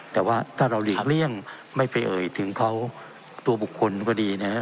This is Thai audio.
แต่ว่าถ้าเราหลีกเลี่ยงไม่ไปเอ่ยถึงเขาตัวบุคคลก็ดีนะครับ